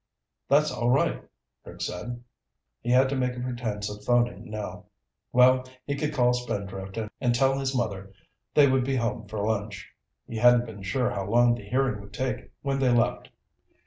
"That's all right," Rick said. He had to make a pretense of phoning now. Well, he could call Spindrift and tell his mother they would be home for lunch. He hadn't been sure how long the hearing would take when they left.